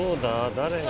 誰が。